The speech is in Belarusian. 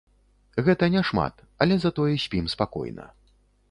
Гэта няшмат, але затое спім спакойна.